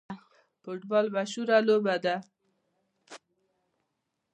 فوټبال مشهوره لوبه ده